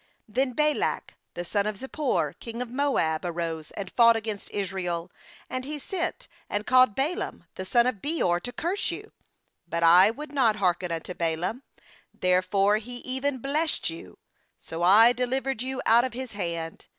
9Then Balak the son of Zippor, king of Moab, arose and fought against Israel; and he sent and called Balaam the son of Beor to curse you. "But I would not hearken unto Balaam; therefore he even blessed you; so I delivered you out of his hand.